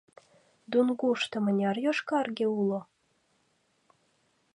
— Дунгушто мыняр йошкарге уло?